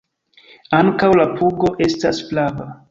Ankaŭ la pugo estas flava.